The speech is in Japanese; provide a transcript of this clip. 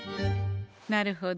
なるほど。